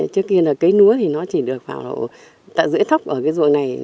trước kia là cây lúa thì nó chỉ được tạo rưỡi thóc ở cái ruộng này